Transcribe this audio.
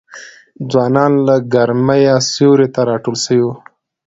ځوانان له ګرمیه سیوري ته راټول سوي وه